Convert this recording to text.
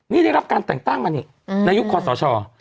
นี่ได้รับการแต่งตั้งมานี่ในยุคคอสช